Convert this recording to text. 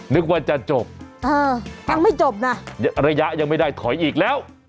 นึกว่าจะจบเออยังไม่จบนะระยะยังไม่ได้ถอยอีกแล้ว